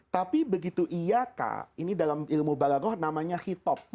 tapi begitu iya kah ini dalam ilmu balagoh namanya hitob